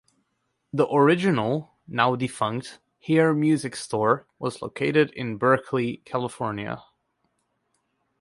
The original, now-defunct Hear Music Store was located in Berkeley, California.